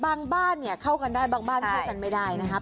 บ้านเนี่ยเข้ากันได้บางบ้านเข้ากันไม่ได้นะครับ